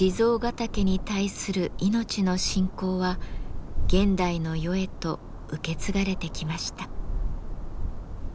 岳に対する命の信仰は現代の世へと受け継がれてきました。